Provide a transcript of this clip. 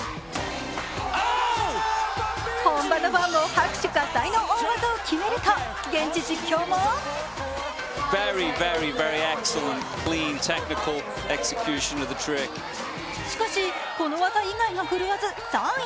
本場のファンも拍手喝采の大技を決めると現地実況もしかし、この技以外が振るわず３位。